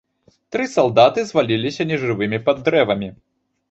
Тры салдаты зваліліся нежывымі пад дрэвамі.